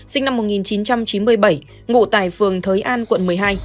sinh năm một nghìn chín trăm chín mươi bảy ngụ tại phường thới an quận một mươi hai